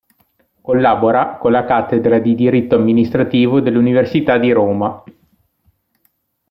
Collabora con la cattedra di diritto amministrativo dell'Università di Roma.